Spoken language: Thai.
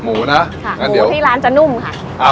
ประกาศรายชื่อพศ๒๕๖๑